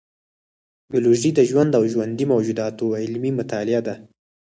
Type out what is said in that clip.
بیولوژي د ژوند او ژوندي موجوداتو علمي مطالعه ده